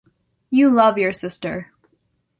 you love your sister.